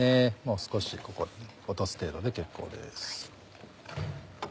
少しここ落とす程度で結構です。